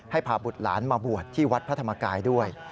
พาบุตรหลานมาบวชที่วัดพระธรรมกายด้วย